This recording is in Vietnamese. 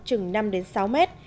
chừng năm sáu mét